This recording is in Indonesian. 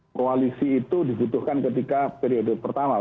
koalisi itu dibutuhkan ketika periode pertama